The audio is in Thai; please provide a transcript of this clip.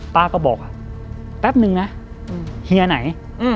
ป้าก็บอกแป๊บนึงนะเฮียไหน